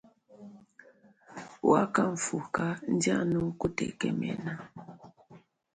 Wakamfuka ndienu kutekemena.